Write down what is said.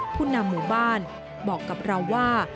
ผู้นำหมู่บ้านบอกกับเราว่า